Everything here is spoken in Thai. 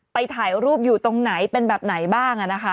ถ่ายรูปอยู่ตรงไหนเป็นแบบไหนบ้าง